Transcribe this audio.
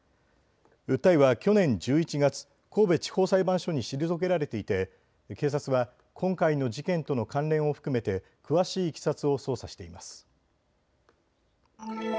訴えは去年１１月、神戸地方裁判所に退けられていて警察は今回の事件との関連を含めて詳しいいきさつを捜査しています。